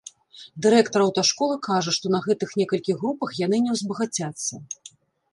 Дырэктар аўташколы кажа, што на гэтых некалькіх групах яны не ўзбагацяцца.